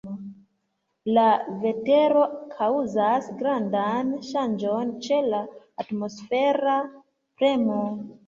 La vetero kaŭzas grandan ŝanĝon ĉe la atmosfera premo.